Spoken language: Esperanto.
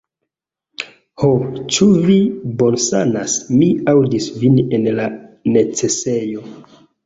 "Ho, ĉu vi bonsanas? Mi aŭdis vin en la necesejo!"